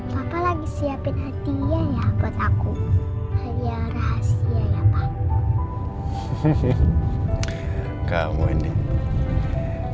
tat putri senmmurasaang tu pengu seryinsh